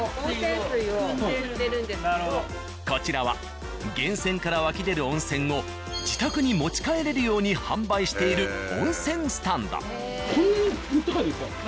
こちらは源泉から湧き出る温泉を自宅に持ち帰れるように販売している温泉スタンド。